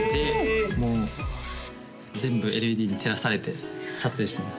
もう全部ＬＥＤに照らされて撮影してます